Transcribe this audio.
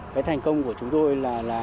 cái thành công của chúng tôi là